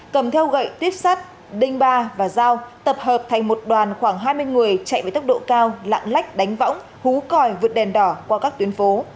cầm theo gậy tuyếp sắt đinh ba và dao tập hợp thành một đoàn khoảng hai mươi người chạy với tốc độ cao lạng lách đánh võng hú còi vượt đèn đỏ qua các tuyến phố